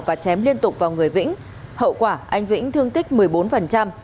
và chém liên tục vào người vĩnh hậu quả anh vĩnh thương tích một mươi bốn